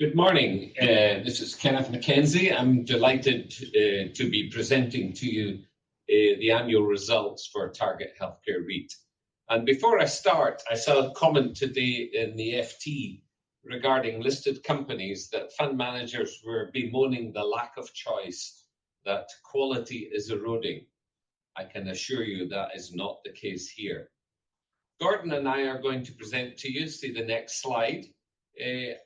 Good morning, this is Kenneth MacKenzie. I'm delighted to be presenting to you the annual results for Target Healthcare REIT, and before I start, I saw a comment today in the FT regarding listed companies that fund managers were bemoaning the lack of choice, that quality is eroding. I can assure you that is not the case here. Gordon and I are going to present to you, see the next slide,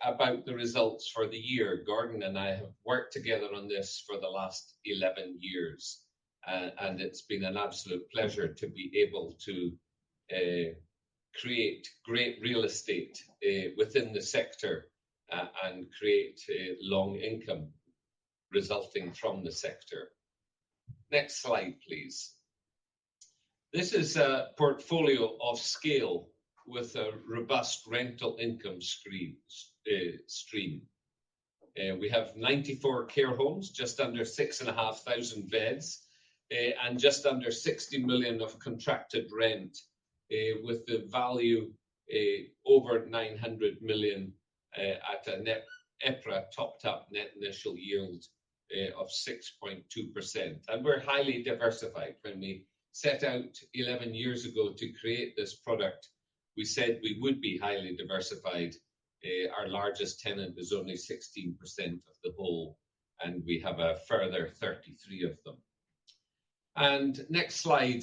about the results for the year. Gordon and I have worked together on this for the last eleven years, and it's been an absolute pleasure to be able to create great real estate within the sector and create a long income resulting from the sector. Next slide, please. This is a portfolio of scale with a robust rental income stream. We have 94 care homes, just under 6,500 beds, and just under 60 million of contracted rent, with the value over 900 million, at a net EPRA top-up net initial yield of 6.2%, and we're highly diversified. When we set out 11 years ago to create this product, we said we would be highly diversified. Our largest tenant is only 16% of the whole, and we have a further 33 of them. Next slide.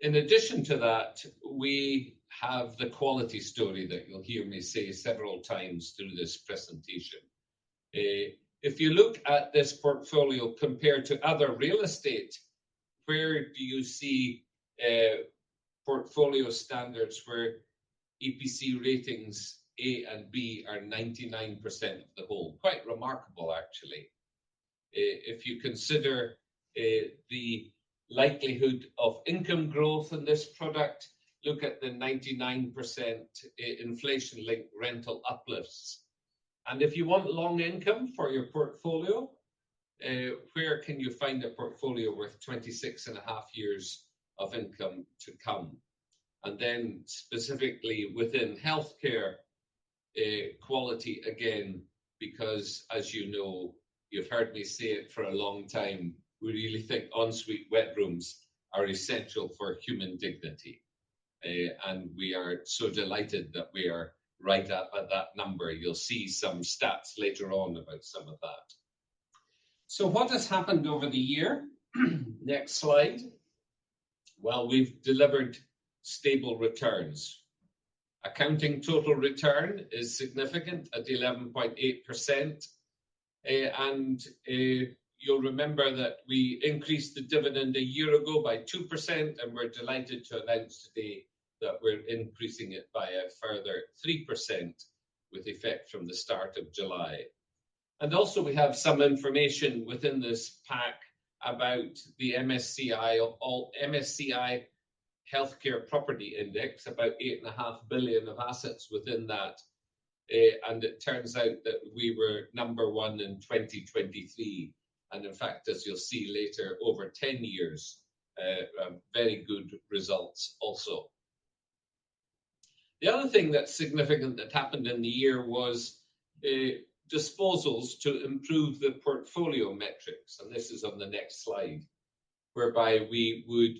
In addition to that, we have the quality story that you'll hear me say several times through this presentation. If you look at this portfolio compared to other real estate, where do you see portfolio standards where EPC ratings A and B are 99% of the whole? Quite remarkable, actually. If you consider the likelihood of income growth in this product, look at the 99% inflation-linked rental uplifts. If you want long income for your portfolio, where can you find a portfolio worth 26.5 years of income to come? Then specifically within healthcare quality, again, because as you know, you've heard me say it for a long time, we really think en suite wet rooms are essential for human dignity, and we are so delighted that we are right up at that number. You'll see some stats later on about some of that. What has happened over the year? Next slide. We've delivered stable returns. Accounting total return is significant at 11.8%, and you'll remember that we increased the dividend a year ago by 2%, and we're delighted to announce today that we're increasing it by a further 3%, with effect from the start of July. And also, we have some information within this pack about the MSCI or MSCI Healthcare Property Index, about 8.5 billion of assets within that, and it turns out that we were number one in 2023. And in fact, as you'll see later, over 10 years, very good results also. The other thing that's significant that happened in the year was disposals to improve the portfolio metrics, and this is on the next slide, whereby we would.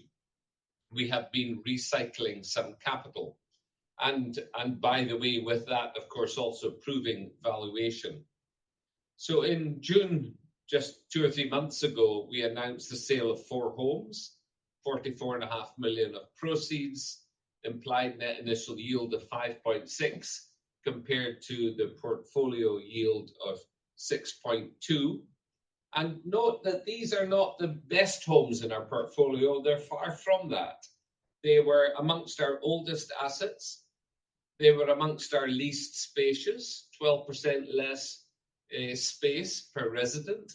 We have been recycling some capital, and by the way, with that, of course, also proving valuation. In June, just two or three months ago, we announced the sale of four homes, 44.5 million of proceeds, implied net initial yield of 5.6%, compared to the portfolio yield of 6.2%. Note that these are not the best homes in our portfolio. They're far from that. They were amongst our oldest assets. They were amongst our least spacious, 12% less space per resident.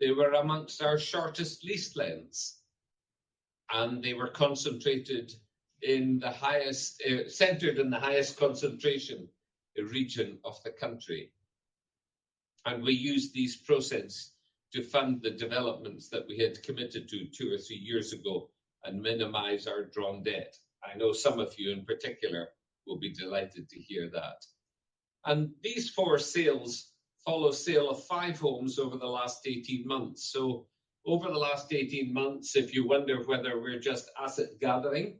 They were amongst our shortest lease lengths, and they were concentrated in the highest concentration region of the country. We used these proceeds to fund the developments that we had committed to two or three years ago and minimize our drawn debt. I know some of you in particular will be delighted to hear that. These four sales follow sale of five homes over the last 18 months. So over the last eighteen months, if you wonder whether we're just asset gathering,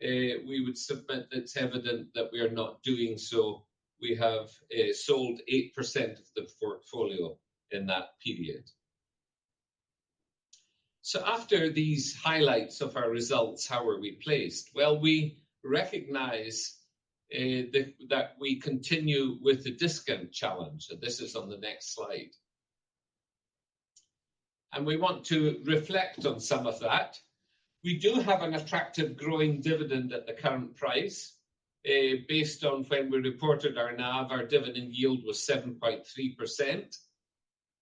we would submit it's evident that we are not doing so. We have sold 8% of the portfolio in that period. After these highlights of our results, how are we placed? Well, we recognize that we continue with the discount challenge, and this is on the next slide, and we want to reflect on some of that. We do have an attractive growing dividend at the current price, based on when we reported our NAV, our dividend yield was 7.3%.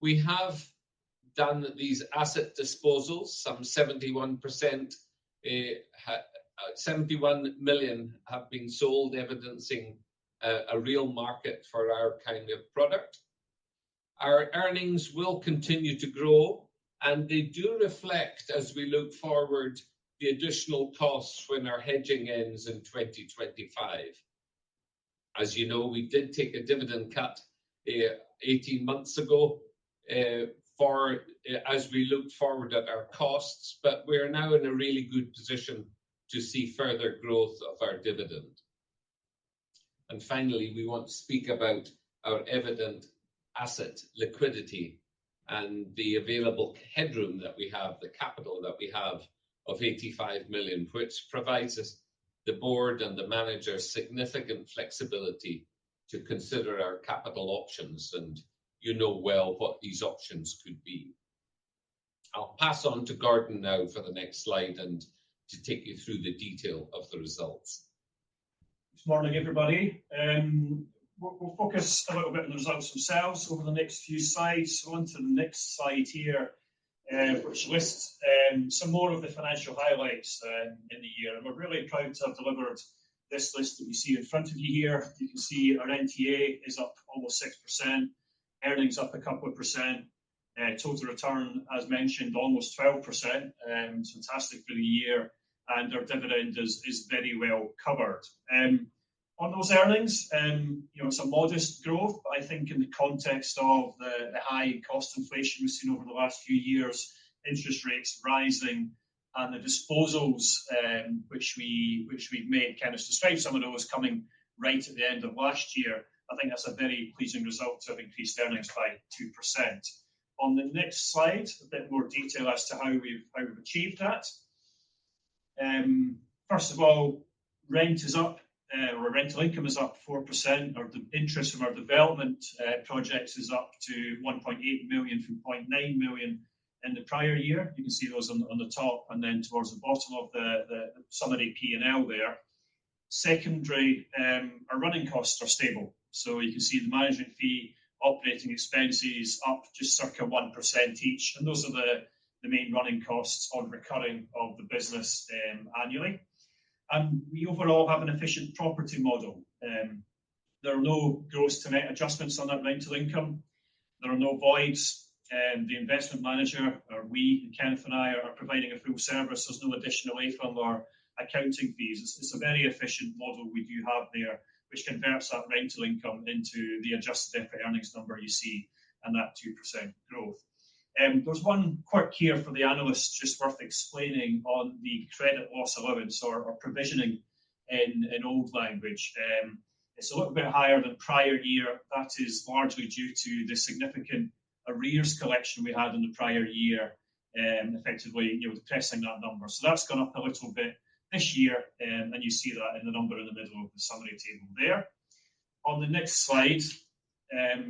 We have done these asset disposals. Some 71 million have been sold, evidencing a real market for our kind of product. Our earnings will continue to grow, and they do reflect, as we look forward, the additional costs when our hedging ends in 2025. As you know, we did take a dividend cut 18 months ago for as we looked forward at our costs, but we are now in a really good position to see further growth of our dividend. And finally, we want to speak about our evident asset liquidity and the available headroom that we have, the capital that we have of 85 million, which provides us, the board, and the manager, significant flexibility to consider our capital options, and you know well what these options could be. I'll pass on to Gordon now for the next slide, and to take you through the detail of the results. Good morning, everybody. We'll focus a little bit on the results themselves over the next few slides. So on to the next slide here, which lists some more of the financial highlights in the year, and we're really proud to have delivered this list that you see in front of you here. You can see our NTA is up almost 6%, earnings up a couple of percent, total return, as mentioned, almost 12%. Fantastic for the year, and our dividend is very well covered on those earnings, you know, some modest growth, but I think in the context of the high cost inflation we've seen over the last few years, interest rates rising and the disposals which we've made, Kenneth described some of those coming right at the end of last year. I think that's a very pleasing result to have increased earnings by 2%. On the next slide, a bit more detail as to how we've achieved that. First of all, rent is up, our rental income is up 4%, or the interest from our development projects is up to 1.8 million from 0.9 million in the prior year. You can see those on the top and then towards the bottom of the summary P&L there. Secondly, our running costs are stable. So you can see the management fee, operating expenses up just circa 1% each, and those are the main running costs on recurring of the business, annually. We overall have an efficient property model. There are no gross-to-net adjustments on that rental income. There are no voids, the investment manager, or we, Kenneth and I, are providing a full service. There's no addition away from our accounting fees. It's a very efficient model we do have there, which converts that rental income into the adjusted EBITDA earnings number you see and that 2% growth. There's one quirk here for the analysts, just worth explaining on the credit loss allowance or provisioning in old language. It's a little bit higher than prior year. That is largely due to the significant arrears collection we had in the prior year, effectively, you're depressing that number. That's gone up a little bit this year, and you see that in the number in the middle of the summary table there. On the next slide,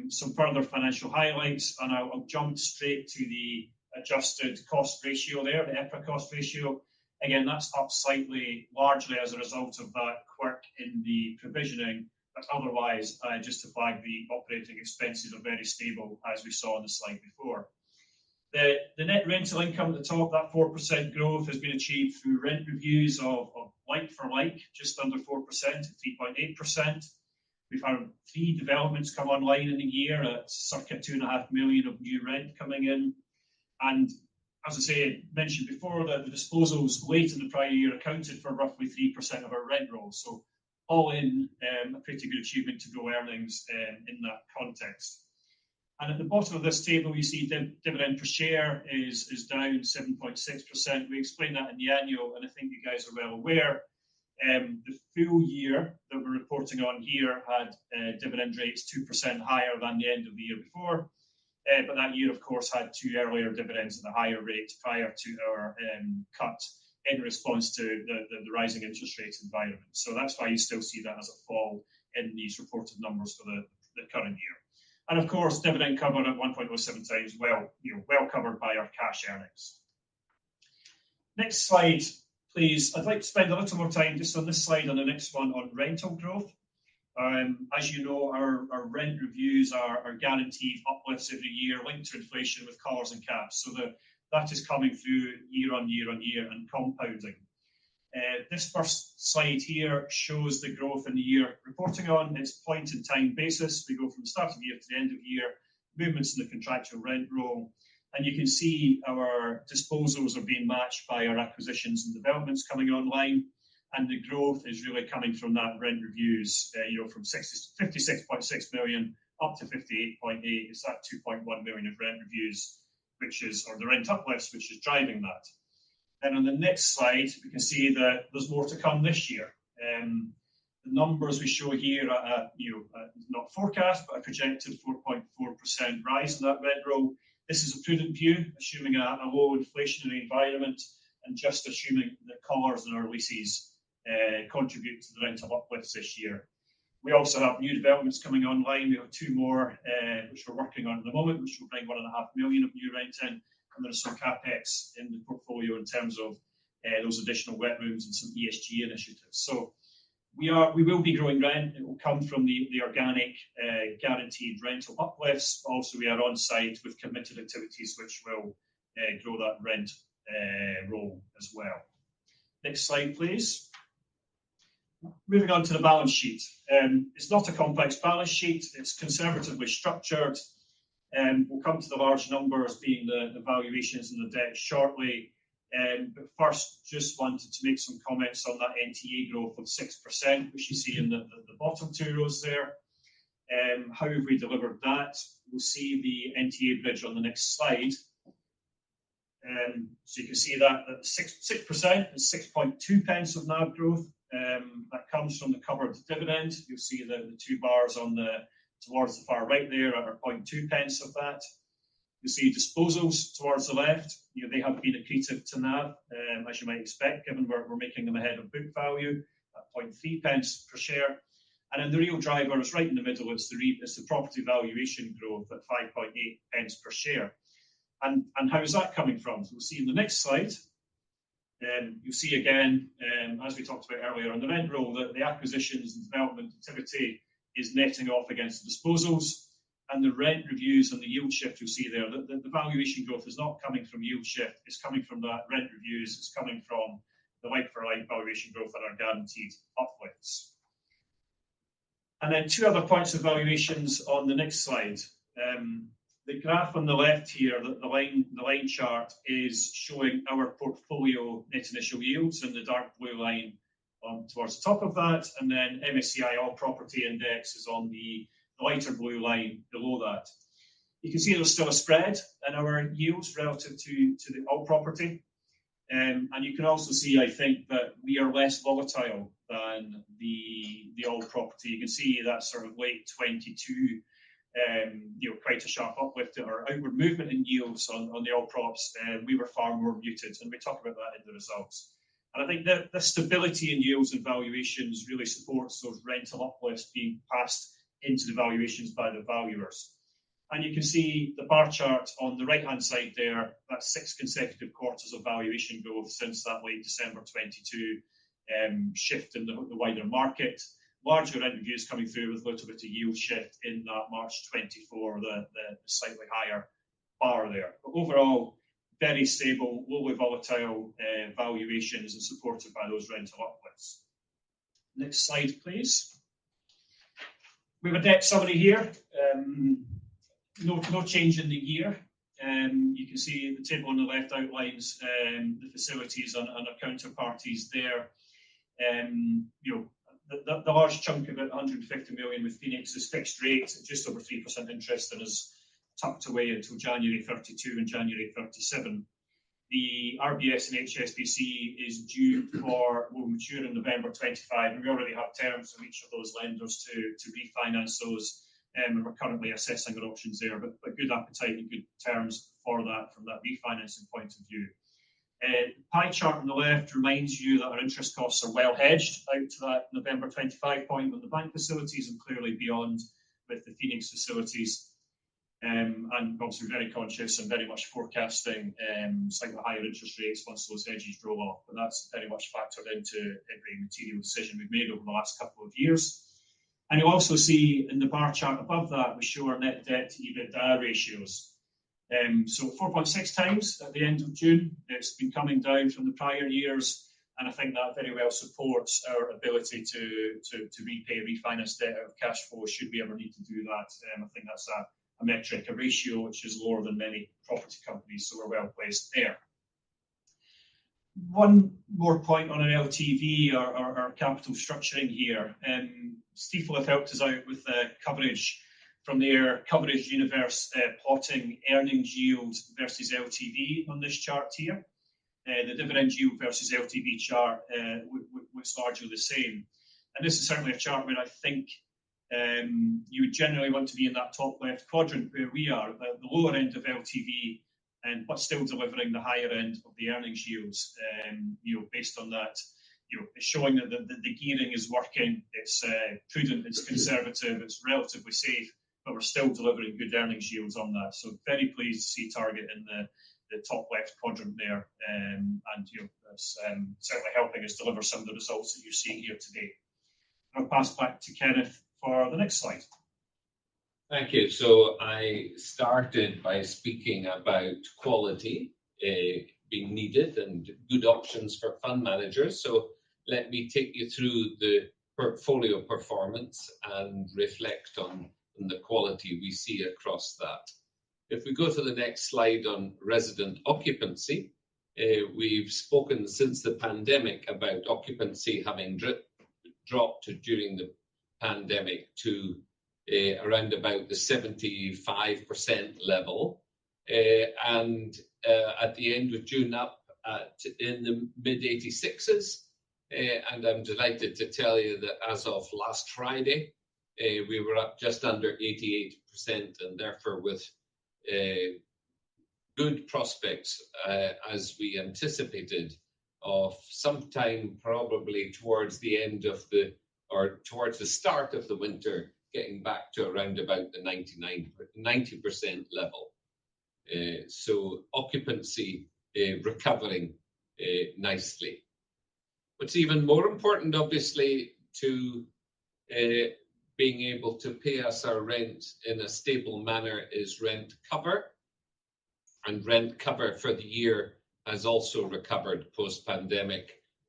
some further financial highlights, and I'll jump straight to the adjusted cost ratio there, the EPRA cost ratio. Again, that's up slightly, largely as a result of that quirk in the provisioning, but otherwise, just to flag, the operating expenses are very stable, as we saw in the slide before. The net rental income at the top, that 4% growth has been achieved through rent reviews of like for like, just under 4%, 3.8%. We've had three developments come online in the year at circa 2.5 million of new rent coming in. And as I say, mentioned before, the disposals late in the prior year accounted for roughly 3% of our rent roll. So all in, a pretty good achievement to grow earnings, in that context. And at the bottom of this table, you see dividend per share is down 7.6%. We explained that in the annual, and I think you guys are well aware. The full year that we're reporting on here had dividend rates 2% higher than the end of the year before. But that year, of course, had two earlier dividends at a higher rate prior to our cut in response to the rising interest rates environment. So that's why you still see that as a fall in these reported numbers for the current year. And of course, dividend cover at 1.07x, well, you know, well-covered by our cash earnings. Next slide, please. I'd like to spend a little more time just on this slide and the next one on rental growth. As you know, our rent reviews are guaranteed uplifts every year, linked to inflation with collars and caps. That is coming through year on year on year and compounding. This first slide here shows the growth in the year. Reporting on this point-in-time basis, we go from the start of the year to the end of the year, movements in the contractual rent roll. And you can see our disposals are being matched by our acquisitions and developments coming online, and the growth is really coming from that rent reviews. You know, from 56.6 million up to 58.8 million, it's that 2.1 million of rent reviews, which is... or the rent uplifts, which is driving that. And on the next slide, we can see that there's more to come this year. The numbers we show here are, you know, not forecast, but a projected 4.4% rise in that rent roll. This is a prudent view, assuming a low inflationary environment and just assuming that collars and our leases contribute to the rental uplifts this year. We also have new developments coming online. We have two more which we're working on at the moment, which will bring 1.5 million of new rents in, and there are some CapEx in the portfolio in terms of those additional wet rooms and some ESG initiatives. So we will be growing rent. It will come from the organic guaranteed rental uplifts. Also, we are on-site with committed activities which will grow that rent roll as well. Next slide, please. Moving on to the balance sheet. It's not a complex balance sheet. It's conservatively structured, and we'll come to the large numbers being the valuations and the debt shortly. But first, just wanted to make some comments on that NTA growth of 6%, which you see in the bottom two rows there, and how have we delivered that? We'll see the NTA bridge on the next slide, so you can see that at 6%, it's 0.062 of NAV growth that comes from the covered dividend. You'll see the two bars on the towards the far right there are point 0.002 of that. You see disposals towards the left. You know, they have been accretive to NAV, as you might expect, given we're making them ahead of book value at point 0.003 per share. And then the real driver is right in the middle. It's the property valuation growth at 0.058 pence per share. And how is that coming from? So we'll see in the next slide. You'll see again, as we talked about earlier, on the rent roll, the acquisitions and development activity is netting off against the disposals and the rent reviews and the yield shift you'll see there. The valuation growth is not coming from yield shift, it's coming from the rent reviews. It's coming from the like-for-like valuation growth that are guaranteed upwards. And then two other points of valuations on the next slide. The graph on the left here, the line chart is showing our portfolio net initial yields in the dark blue line, towards the top of that, and then MSCI All Property Index is on the lighter blue line below that. You can see there's still a spread in our yields relative to the All Property. And you can also see, I think, that we are less volatile than the All Property. You can see that sort of late 2022, you know, quite a sharp uplift in our outward movement in yields on the All Props, we were far more muted, and we talk about that in the results. I think the stability in yields and valuations really supports those rental uplifts being passed into the valuations by the valuers. And you can see the bar chart on the right-hand side there, that's six consecutive quarters of valuation growth since that late December 2022 shift in the wider market. Larger rent reviews coming through with a little bit of yield shift in that March 2024, the slightly higher bar there. But overall, very stable, low volatility valuations and supported by those rental uplifts. Next slide, please. We have a debt summary here. No, no change in the year. You can see the table on the left outlines the facilities and our counterparties there. You know, the large chunk of it, 150 million with Phoenix, is fixed rate at just over 3% interest and is tucked away until January 2032 and January 2037. The RBS and HSBC is due for... will mature in November 2025, and we already have terms from each of those lenders to refinance those, and we're currently assessing our options there, but good appetite and good terms for that from that refinancing point of view. Pie chart on the left reminds you that our interest costs are well hedged out to that November 2025 point, with the bank facilities and clearly beyond with the Phoenix facilities, and obviously, very conscious and very much forecasting, slightly higher interest rates once those hedges roll off, but that's very much factored into every material decision we've made over the last couple of years, and you'll also see in the bar chart above that, we show our net debt to EBITDA ratios, so 4.6x at the end of June. It's been coming down from the prior years, and I think that very well supports our ability to repay, refinance debt out of cash flow should we ever need to do that. I think that's a metric, a ratio which is lower than many property companies, so we're well placed there. One more point on our LTV, our capital structuring here. Stifel have helped us out with the coverage from their coverage universe, plotting earnings yield versus LTV on this chart here. The dividend yield versus LTV chart was largely the same. This is certainly a chart where I think you would generally want to be in that top left quadrant, where we are at the lower end of LTV, but still delivering the higher end of the earnings yields. You know, based on that, you know, it's showing that the gearing is working. It's prudent, it's conservative, it's relatively safe, but we're still delivering good earnings yields on that. So very pleased to see Target in the top left quadrant there, and you know, that's certainly helping us deliver some of the results that you're seeing here today. I'll pass back to Kenneth for the next slide. Thank you. So I started by speaking about quality, being needed and good options for fund managers. So let me take you through the portfolio performance and reflect on the quality we see across that. If we go to the next slide on resident occupancy, we've spoken since the pandemic about occupancy having drip-dropped during the pandemic to around about the 75% level. And at the end of June, up to the mid-86%. And I'm delighted to tell you that as of last Friday, we were up just under 88%, and therefore, with good prospects, as we anticipated, of sometime probably towards the end of the or towards the start of the winter, getting back to around about the 90%-99% level. So occupancy recovering nicely. What's even more important, obviously, to being able to pay us our rent in a stable manner is rent cover. And rent cover for the year has also recovered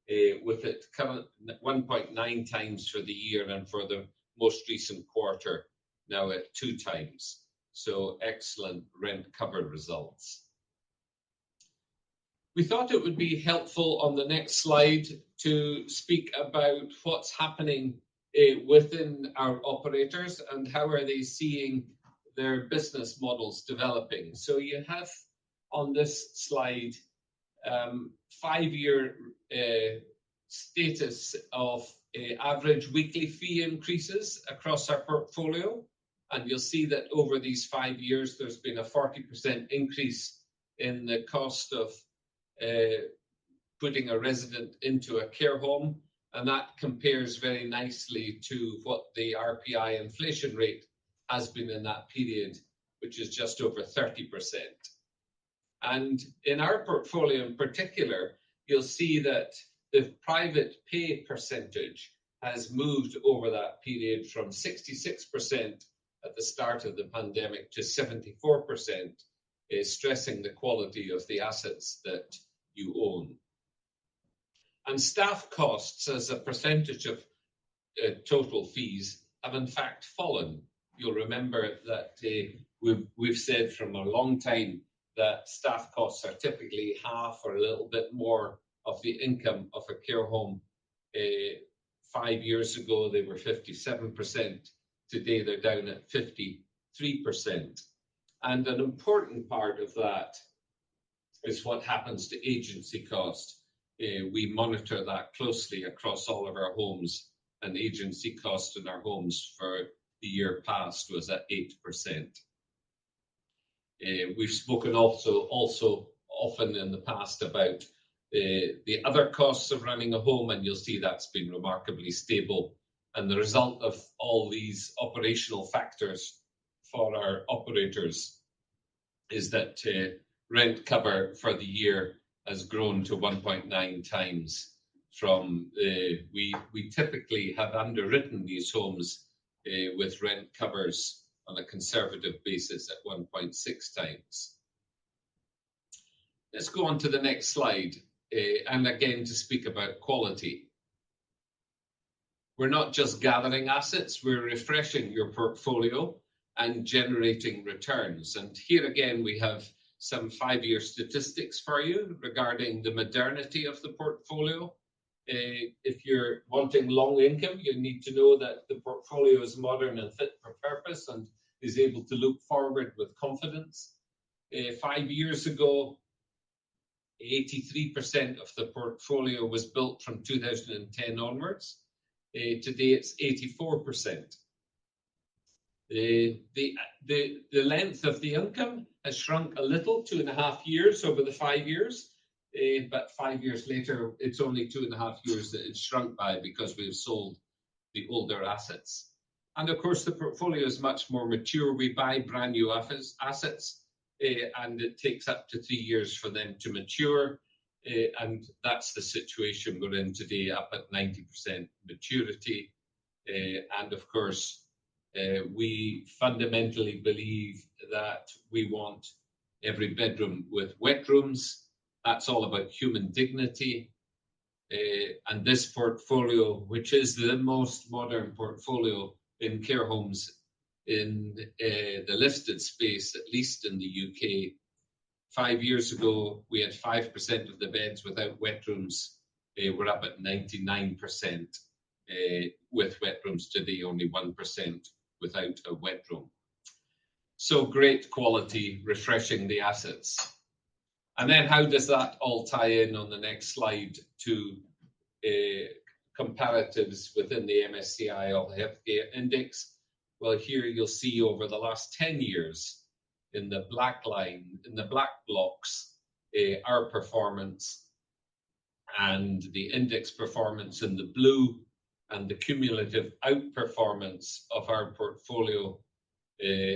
post-pandemic, with it coming in one point nine times for the year and for the most recent quarter, now at 2x. So excellent rent cover results. We thought it would be helpful on the next slide to speak about what's happening within our operators and how are they seeing their business models developing. So you have on this slide, five-year status of average weekly fee increases across our portfolio, and you'll see that over these five years, there's been a 40% increase in the cost of putting a resident into a care home, and that compares very nicely to what the RPI inflation rate has been in that period, which is just over 30%. And in our portfolio in particular, you'll see that the private pay percentage has moved over that period from 66% at the start of the pandemic to 74%, stressing the quality of the assets that you own. And staff costs as a percentage of total fees have in fact fallen. You'll remember that, we've said for a long time that staff costs are typically half or a little bit more of the income of a care home. Five years ago, they were 57%. Today, they're down at 53%. And an important part of that is what happens to agency cost. We monitor that closely across all of our homes, and agency cost in our homes for the year past was at 8%. We've spoken also often in the past about the other costs of running a home, and you'll see that's been remarkably stable. And the result of all these operational factors for our operators is that rent cover for the year has grown to 1.9x from. We typically have underwritten these homes with rent covers on a conservative basis at 1.6x. Let's go on to the next slide, and again, to speak about quality. We're not just gathering assets. We're refreshing your portfolio and generating returns. Here again, we have some five-year statistics for you regarding the modernity of the portfolio. If you're wanting long income, you need to know that the portfolio is modern and fit for purpose and is able to look forward with confidence. Five years ago, 83% of the portfolio was built from 2010 onwards. Today, it's 84%. The length of the income has shrunk a little, two and a half years over the five years. But five years later, it's only two and a half years that it's shrunk by because we've sold the older assets. Of course, the portfolio is much more mature. We buy brand-new office assets, and it takes up to three years for them to mature, and that's the situation we're in today, up at 90% maturity. And of course, we fundamentally believe that we want every bedroom with wet rooms. That's all about human dignity. And this portfolio, which is the most modern portfolio in care homes in the listed space, at least in the U.K., five years ago, we had 5% of the beds without wet rooms. We're up at 99% with wet rooms. Today, only 1% without a wet room. So great quality, refreshing the assets. And then how does that all tie in on the next slide to comparatives within the MSCI Healthcare index? Well, here you'll see over the last 10 years, in the black line, in the black blocks, our performance and the index performance in the blue, and the cumulative outperformance of our portfolio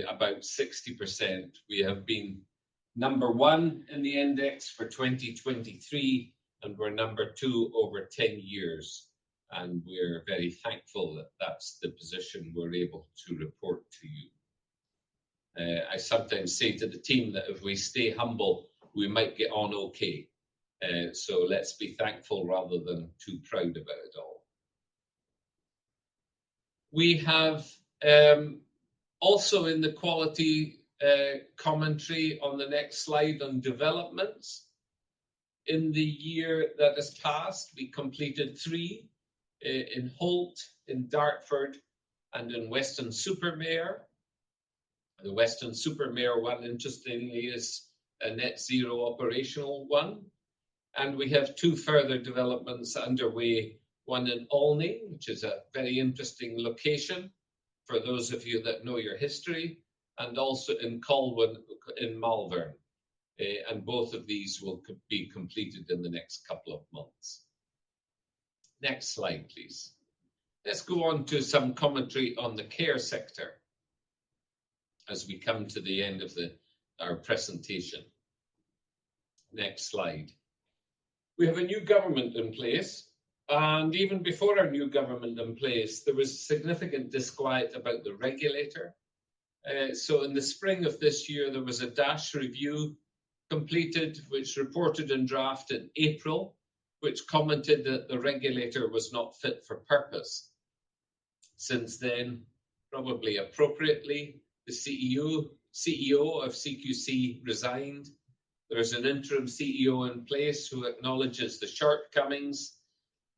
about 60%. We have been number one in the index for 2023, and we're number two over 10 years, and we're very thankful that that's the position we're able to report to you. I sometimes say to the team that if we stay humble, we might get on okay. So let's be thankful rather than too proud about it all. We have also in the quality commentary on the next slide on developments. In the year that has passed, we completed three in Holt, in Dartford, and in Weston-super-Mare. The Weston-super-Mare one, interestingly, is a net zero operational one, and we have two further developments underway, one in Olney, which is a very interesting location for those of you that know your history, and also in Colwall in Malvern. And both of these will be completed in the next couple of months. Next slide, please. Let's go on to some commentary on the care sector as we come to the end of our presentation. Next slide. We have a new government in place, and even before our new government in place, there was significant disquiet about the regulator. So in the spring of this year, there was a Dash Review completed, which reported in draft in April, which commented that the regulator was not fit for purpose. Since then, probably appropriately, the CEO of CQC resigned. There is an interim CEO in place who acknowledges the shortcomings.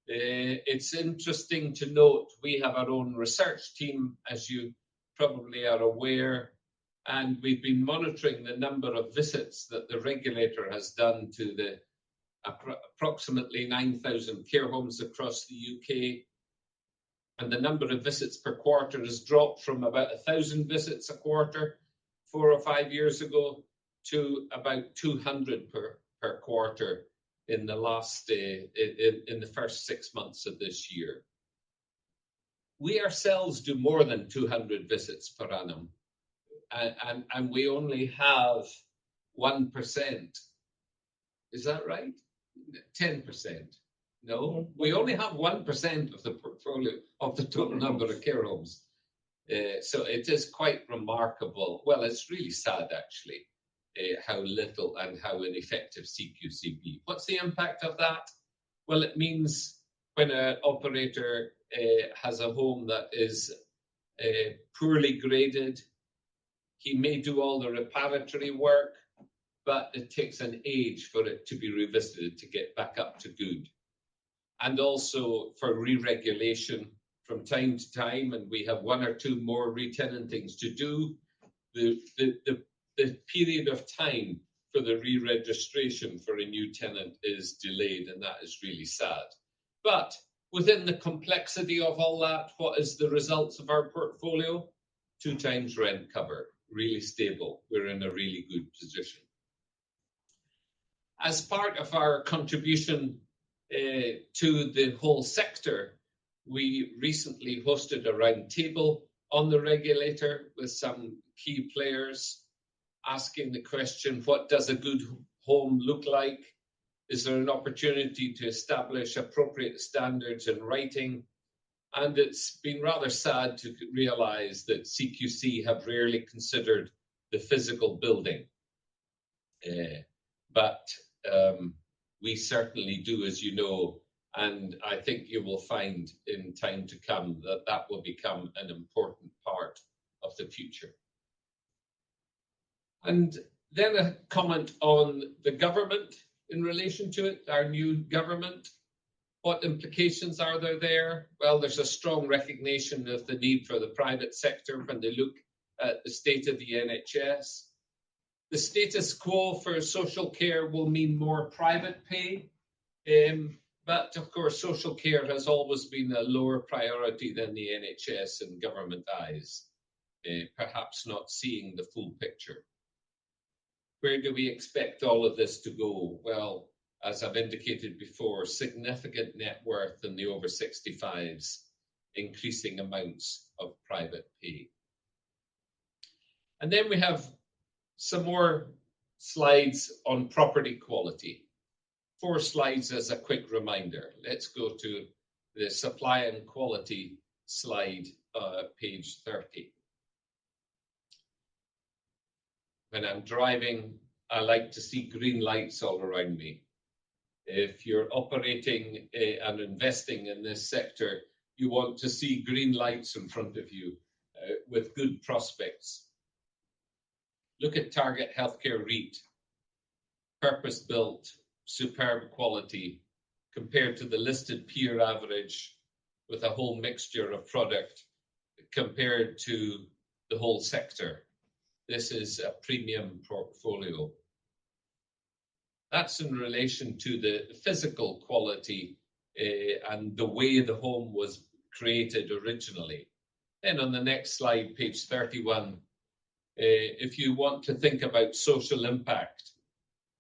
It's interesting to note, we have our own research team, as you probably are aware, and we've been monitoring the number of visits that the regulator has done to the approximately nine thousand care homes across the U.K. And the number of visits per quarter has dropped from about 1,000 visits a quarter, four or five years ago, to about 200 per quarter in the last, in the first six months of this year. We ourselves do more than 200 visits per annum, and we only have 1%. Is that right? 10%. No? We only have 1% of the portfolio of the total number of care homes. So it is quite remarkable. Well, it's really sad, actually, how little and how ineffective CQC be. What's the impact of that? Well, it means when a operator has a home that is poorly graded, he may do all the reparatory work, but it takes an age for it to be revisited to get back up to good. And also for re-regulation from time to time, and we have one or two more re-tenanting to do. The period of time for the re-registration for a new tenant is delayed, and that is really sad. But within the complexity of all that, what is the results of our portfolio? 2x rent cover, really stable. We're in a really good position. As part of our contribution to the whole sector, we recently hosted a roundtable on the regulator with some key players, asking the question: What does a good home look like? Is there an opportunity to establish appropriate standards in writing? And it's been rather sad to realize that CQC have rarely considered the physical building. But we certainly do, as you know, and I think you will find in time to come, that that will become an important part of the future. And then a comment on the government in relation to it, our new government. What implications are there there? Well, there's a strong recognition of the need for the private sector when they look at the state of the NHS. The status quo for social care will mean more private pay, but of course, social care has always been a lower priority than the NHS in government eyes, perhaps not seeing the full picture. Where do we expect all of this to go? Well, as I've indicated before, significant net worth in the over 65s, increasing amounts of private pay. And then we have some more slides on property quality. Four slides as a quick reminder. Let's go to the supply and quality slide, page 30. When I'm driving, I like to see green lights all around me. If you're operating and investing in this sector, you want to see green lights in front of you with good prospects. Look at Target Healthcare REIT, purpose-built, superb quality, compared to the listed peer average, with a whole mixture of product compared to the whole sector. This is a premium portfolio. That's in relation to the physical quality and the way the home was created originally. Then on the next slide, page 31, if you want to think about social impact,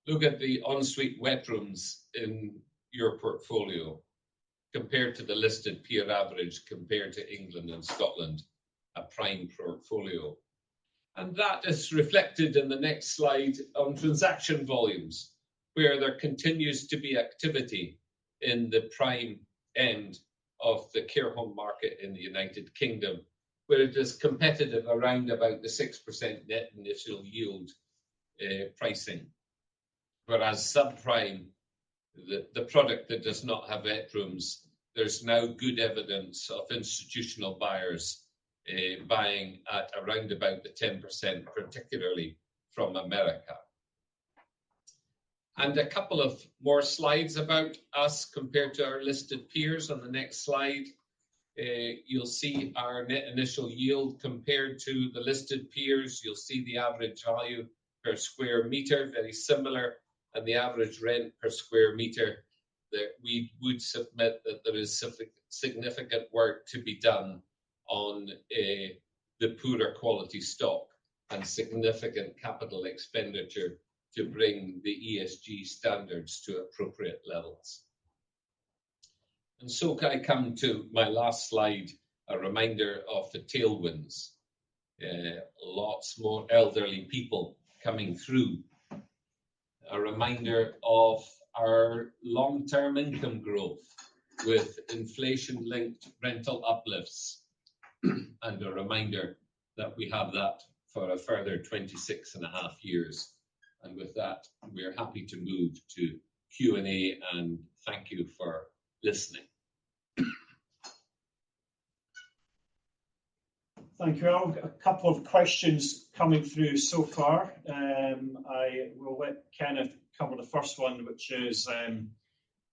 look at the en suite wet rooms in your portfolio compared to the listed peer average, compared to England and Scotland, a prime portfolio. That is reflected in the next slide on transaction volumes, where there continues to be activity in the prime end of the care home market in the United Kingdom, where it is competitive around about the 6% net initial yield pricing. Whereas subprime, the product that does not have wet rooms, there's now good evidence of institutional buyers buying at around about the 10%, particularly from America. A couple of more slides about us compared to our listed peers. On the next slide, you'll see our net initial yield compared to the listed peers. You'll see the average value per square meter, very similar, and the average rent per square meter, that we would submit that there is significant work to be done on the poorer quality stock, and significant capital expenditure to bring the ESG standards to appropriate levels... So can I come to my last slide, a reminder of the tailwinds. Lots more elderly people coming through. A reminder of our long-term income growth with inflation-linked rental uplifts, and a reminder that we have that for a further 26.5 years. And with that, we are happy to move to Q&A, and thank you for listening. Thank you. I've a couple of questions coming through so far. I will let Kenneth cover the first one, which is: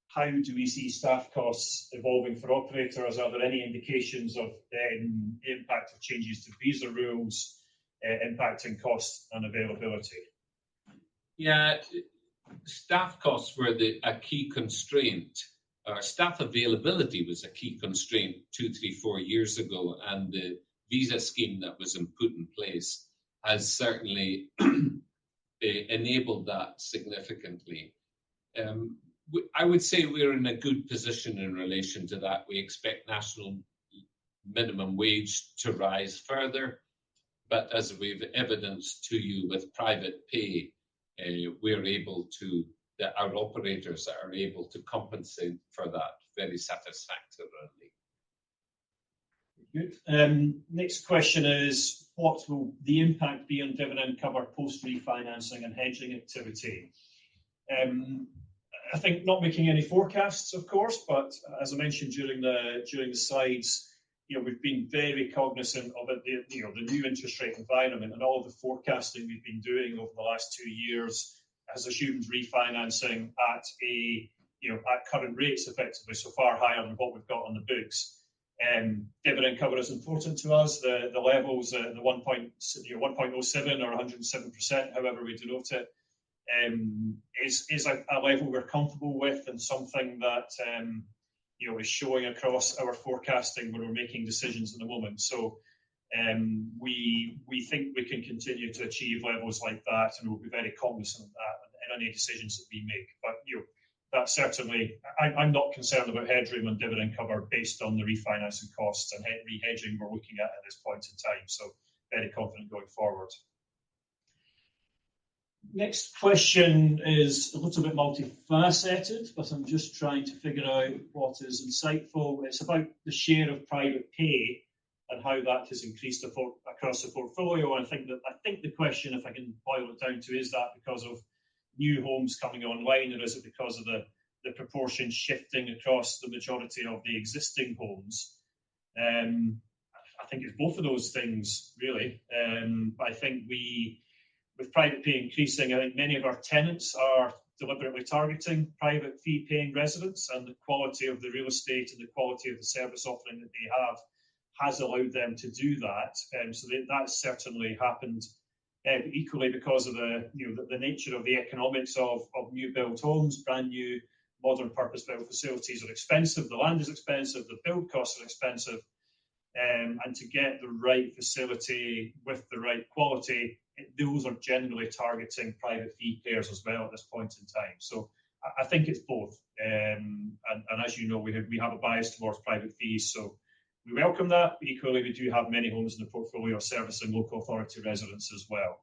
How do we see staff costs evolving for operators? Are there any indications of the impact of changes to visa rules, impacting costs and availability? Yeah. Staff costs were a key constraint, or staff availability was a key constraint two, three, four years ago, and the visa scheme that was put in place has certainly enabled that significantly. I would say we're in a good position in relation to that. We expect national minimum wage to rise further, but as we've evidenced to you with private pay, our operators are able to compensate for that very satisfactorily. Good. Next question is: What will the impact be on dividend cover, post-refinancing and hedging activity? I think not making any forecasts, of course, but as I mentioned during the slides, you know, we've been very cognizant of the you know, the new interest rate environment, and all of the forecasting we've been doing over the last two years has assumed refinancing at a you know, at current rates, effectively, so far higher than what we've got on the books. Dividend cover is important to us. The levels the 1.07 or 107%, however we denote it, is a level we're comfortable with and something that you know, is showing across our forecasting when we're making decisions at the moment. So, we think we can continue to achieve levels like that, and we'll be very cognizant of that in any decisions that we make. But, you know, that certainly... I'm not concerned about headroom and dividend cover based on the refinancing costs and re-hedging we're looking at, at this point in time, so very confident going forward. Next question is a little bit multifaceted, but I'm just trying to figure out what is insightful. It's about the share of private pay and how that has increased across the portfolio. I think the question, if I can boil it down to, is that because of new homes coming online, or is it because of the proportion shifting across the majority of the existing homes? I think it's both of those things, really. I think we, with private pay increasing, I think many of our tenants are deliberately targeting private fee-paying residents, and the quality of the real estate and the quality of the service offering that they have has allowed them to do that. So that certainly happened, equally because of the, you know, the nature of the economics of new-built homes. Brand-new, modern, purpose-built facilities are expensive, the land is expensive, the build costs are expensive, and to get the right facility with the right quality, those are generally targeting private fee payers as well at this point in time. So I think it's both. And as you know, we have a bias towards private fees, so we welcome that, but equally, we do have many homes in the portfolio servicing local authority residents as well.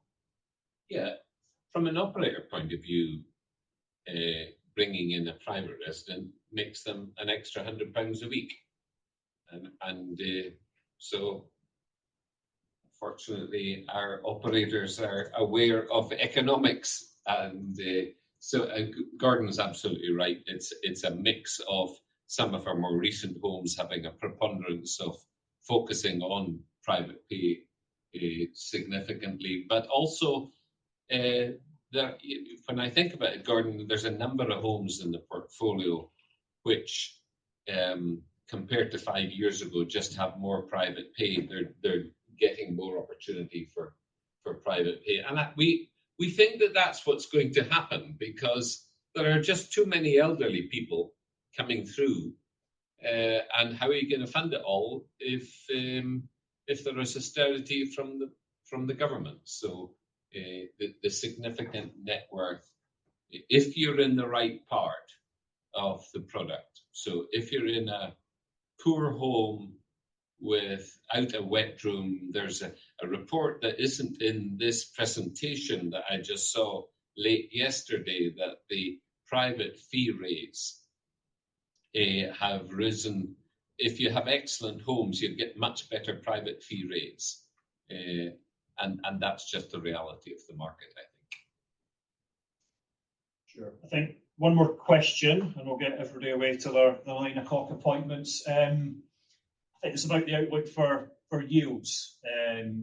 Yeah. From an operator point of view, bringing in a private resident makes them an extra 100 pounds a week. And, so fortunately, our operators are aware of the economics, and, so, Gordon is absolutely right. It's a mix of some of our more recent homes having a preponderance of focusing on private pay, significantly, but also, the... When I think about it, Gordon, there's a number of homes in the portfolio which, compared to five years ago, just have more private pay. They're getting more opportunity for private pay. And that, we think that that's what's going to happen because there are just too many elderly people coming through, and how are you gonna fund it all if, if there is austerity from the government? The significant net worth, if you're in the right part of the product. If you're in a poor home without a wet room, there's a report that isn't in this presentation that I just saw late yesterday, that the private fee rates have risen. If you have excellent homes, you'll get much better private fee rates, and that's just the reality of the market, I think. Sure. I think one more question, and we'll get everybody away to their 9:00 A.M. appointments. I think it's about the outlook for yields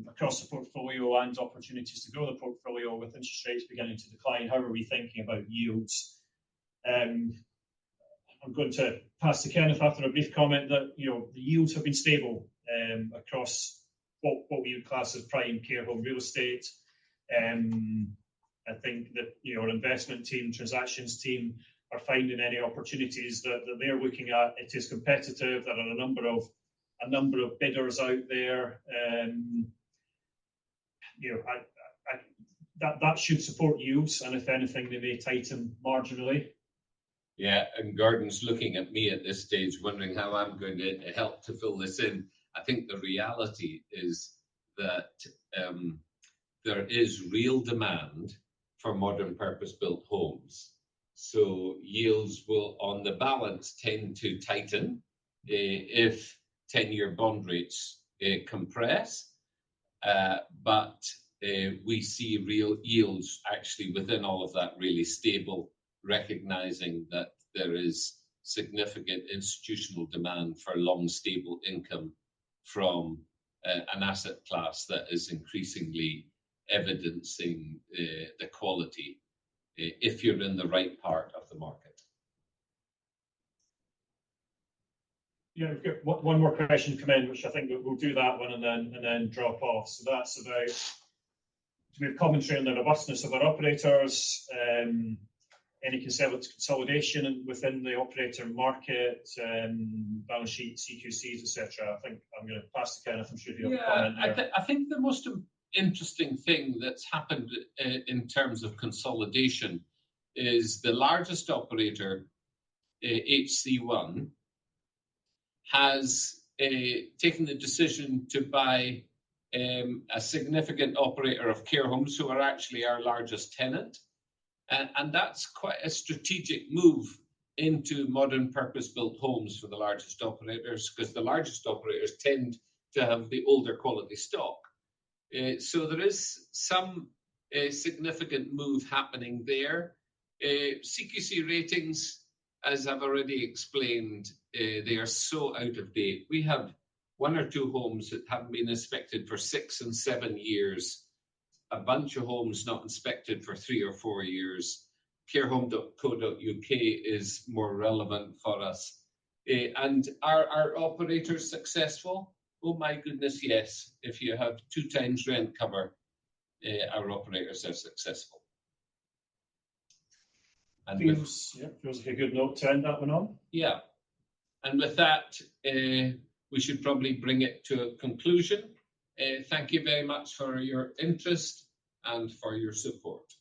across the portfolio and opportunities to grow the portfolio. With interest rates beginning to decline, how are we thinking about yields? I'm going to pass to Kenneth after a brief comment that, you know, the yields have been stable across what we would class as prime care home real estate. I think that, you know, our investment team, transactions team, are finding any opportunities that they're looking at. It is competitive. There are a number of bidders out there, you know, that should support yields, and if anything, they may tighten marginally. Yeah, and Gordon's looking at me at this stage, wondering how I'm going to help to fill this in. I think the reality is that there is real demand for modern purpose-built homes. So yields will, on the balance, tend to tighten if 10-year bond rates compress. But we see real yields actually within all of that really stable, recognizing that there is significant institutional demand for long, stable income from an asset class that is increasingly evidencing the quality if you're in the right part of the market. Yeah, we've got one more question come in, which I think we'll do that one and then drop off. So that's about, we've commented on the robustness of our operators, any consolidation within the operator market, balance sheet, CQC's, et cetera. I think I'm gonna pass to Kenneth. I'm sure you have a comment there. Yeah. I think the most interesting thing that's happened in terms of consolidation is the largest operator, HC-One, has taken the decision to buy a significant operator of care homes who are actually our largest tenant. And that's quite a strategic move into modern purpose-built homes for the largest operators, 'cause the largest operators tend to have the older quality stock. So there is some significant move happening there. CQC ratings, as I've already explained, they are so out of date. We have one or two homes that haven't been inspected for six and seven years, a bunch of homes not inspected for three or four years. Carehome.co.uk is more relevant for us. And are our operators successful? Oh, my goodness, yes! If you have two times rent cover, our operators are successful. And this- Yeah. Feels like a good note to end that one on. Yeah. And with that, we should probably bring it to a conclusion. Thank you very much for your interest and for your support.